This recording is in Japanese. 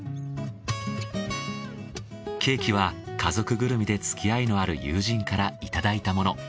ケーキは家族ぐるみでつきあいのある友人からいただいたもの。